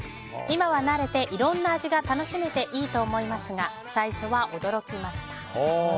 今は慣れて、いろんな味が楽しめていいと思いますが最初は驚きました。